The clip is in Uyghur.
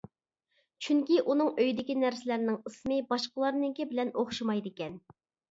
چۈنكى ئۇنىڭ ئۆيىدىكى نەرسىلەرنىڭ ئىسمى باشقىلارنىڭكى بىلەن ئوخشىمايدىكەن.